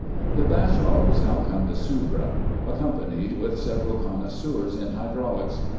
The Bashaw was now come to Soubra, accompanied with several connoisseurs in hydraulics.